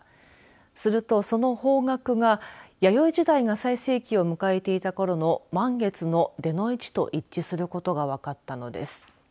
すると、その方角は弥生時代が最盛期を迎えていたころの満月の出の位置と一致することが分かったのです。